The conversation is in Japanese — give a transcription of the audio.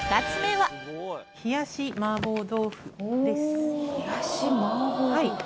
はい。